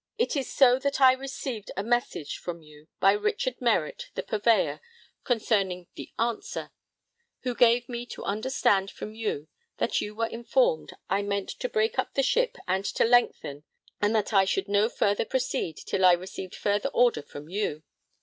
It is so that I received a message from you by Richard Meritt, the purveyor, concerning the Answer, who gave me to understand from you that you were informed I meant to break up the ship and to lengthen, and that I should no further proceed till I received further order from you.